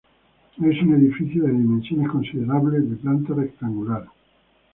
Es un edificio de dimensiones considerables, de planta rectangular.